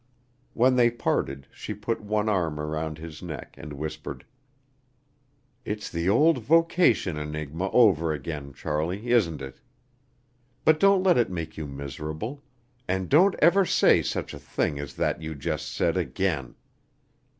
When they parted she put one arm around his neck and whispered: "It's the old vocation enigma over again, Charlie, isn't it? But don't let it make you miserable, and don't ever say such a thing as that you just said again.